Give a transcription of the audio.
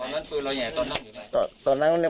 ตอนนั้นปืนเราอย่างไรตอนนั้นอยู่ไหน